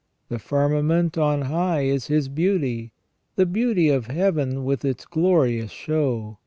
"The firmament on high is His beauty, the beauty of Heaven with its glorious show.